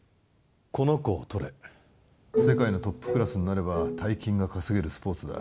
この子をとれ世界のトップクラスになれば大金が稼げるスポーツだ